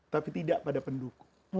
tapi tidak pada pendukung